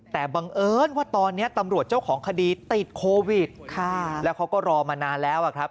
แต่บังเอิญว่าตอนนี้ตำรวจเจ้าของคดีติดโควิดแล้วเขาก็รอมานานแล้วอะครับ